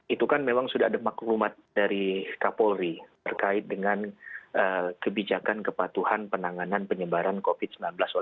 itu kan memang sudah ada maklumat dari kapolri terkait dengan kebijakan kepatuhan penanganan penyebaran covid sembilan belas